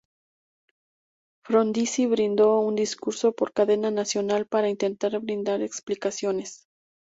Frondizi brindó un discurso por cadena nacional para intentar brindar explicaciones.